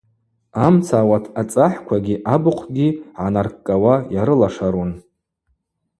Амца ауат ацӏахӏквагьи абыхъвгьи гӏанаркӏкӏауа йарылашарун.